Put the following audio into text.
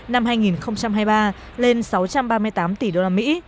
năm hai nghìn hai mươi ba lên sáu trăm ba mươi tám tỷ đô la mỹ